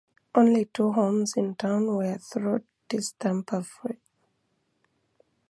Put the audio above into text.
Only two homes in town were throat distemper free.